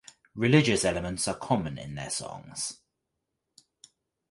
Religious elements are common in their songs.